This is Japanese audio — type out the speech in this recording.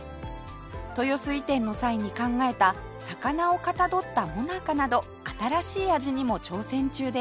豊洲移転の際に考えた魚をかたどった最中など新しい味にも挑戦中です